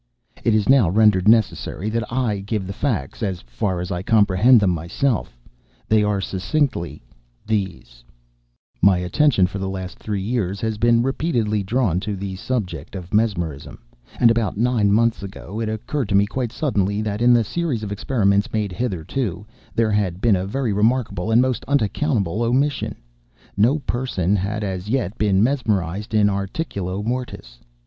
It is now rendered necessary that I give the facts—as far as I comprehend them myself. They are, succinctly, these: My attention, for the last three years, had been repeatedly drawn to the subject of Mesmerism; and, about nine months ago it occurred to me, quite suddenly, that in the series of experiments made hitherto, there had been a very remarkable and most unaccountable omission:—no person had as yet been mesmerized in articulo mortis.